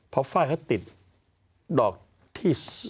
พอไฟล์เขาติดดอกที่